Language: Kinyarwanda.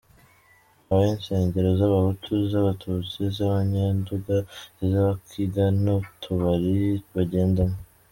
Habaho insengero z’abahutu, iz’abatutsi, iz’abanyenduga, iz’abakiga n’utubari bagendamo.